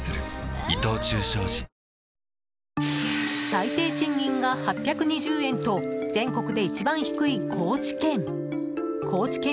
最低賃金が８２０円と全国で一番低い、高知県。